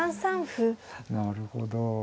なるほど。